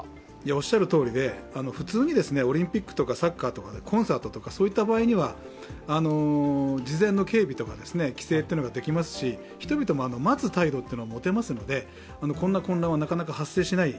おっしゃるとおりで、普通にオリンピックとかサッカーとかコンサートとかの場合には、事前の警備とか規制ができますし人々も待つ態度が持てますのでこんな混乱はなかなか発生しない。